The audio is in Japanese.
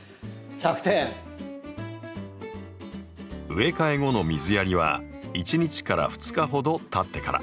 植え替え後の水やりは１日２日ほどたってから。